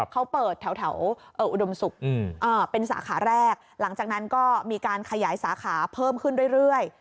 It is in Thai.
เขาเปิดแถวอุดมศุกร์เป็นสาขาแรกหลังจากนั้นก็มีการขยายสาขาเพิ่มขึ้นเรื่อย